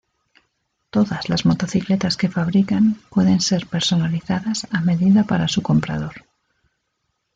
Todas las motocicletas que fabrican pueden ser personalizadas a medida para su comprador.